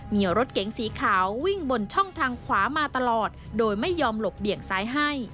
มีรถเก๋งสีขาววิ่งบนช่องทางขวามาตลอดโดยไม่ยอมหลบเบี่ยงซ้ายให้